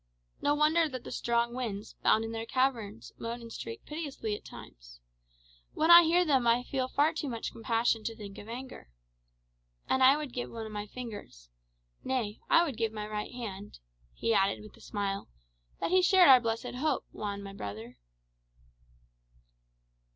No wonder that the strong winds, bound in their caverns, moan and shriek piteously at times. When I hear them I feel far too much compassion to think of anger. And I would give one of my fingers nay, I would give my right hand," he added with a smile, "that he shared our blessed hope, Juan, my brother."